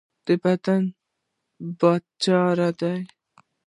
د بدن باچا زړه دی.